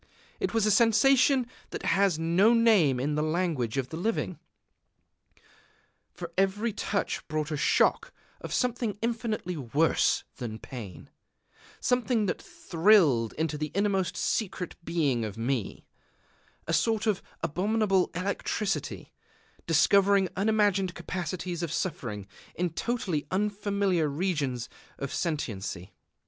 It was a sensation that has no name in the language of the living. For every touch brought a shock of something infinitely worse than pain, something that thrilled into the innermost secret being of me, a sort of abominable electricity, discovering unimagined capacities of suffering in totally unfamiliar regions of sentiency....